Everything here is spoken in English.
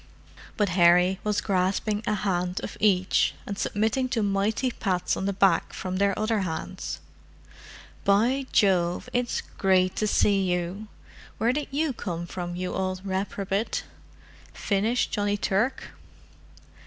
But Harry was grasping a hand of each, and submitting to mighty pats on the back from their other hands. "By Jove, it's great to see you! Where did you come from, you old reprobate? Finished Johnny Turk?"